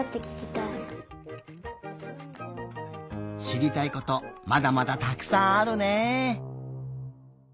しりたいことまだまだたくさんあるね。